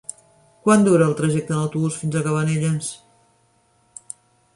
Quant dura el trajecte en autobús fins a Cabanelles?